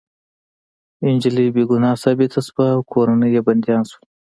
انجلۍ بې ګناه ثابته شوه او کورنۍ يې بندیان شول